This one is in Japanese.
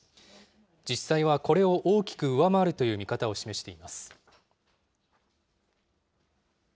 実際はこれを大きく上回るという見方を示しています。